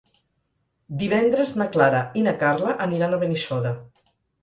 Divendres na Clara i na Carla aniran a Benissoda.